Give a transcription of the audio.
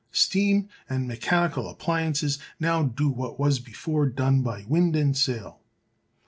Steam and mechanical appliances now do what was before done by wind and sail.